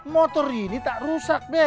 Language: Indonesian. motor ini tak rusak